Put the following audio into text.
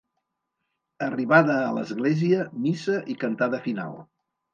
Arribada a l'església, missa i cantada final.